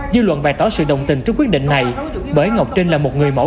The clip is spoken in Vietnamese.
dư luận bày tỏ sự đồng tình trước quyết định này bởi ngọc trinh là một người mẫu